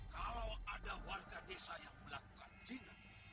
kalau ada warga desa yang melakukan jinak